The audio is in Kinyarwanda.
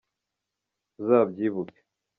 Uzabyibuke